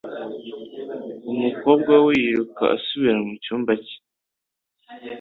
Umukobwa we yiruka asubira mu cyumba cye